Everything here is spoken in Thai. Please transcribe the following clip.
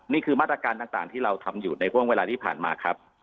นี่คือมาตรการต่างที่เราทำอยู่ในห่วงเวลาที่ผ่านมาครับ